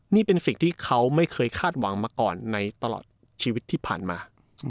นี่เป็นสิ่งที่เขาไม่เคยคาดหวังมาก่อนในตลอดชีวิตที่ผ่านมา